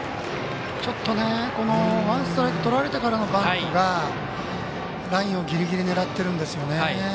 ちょっとワンストライクとられてからのバントがラインをギリギリ狙ってるんですよね。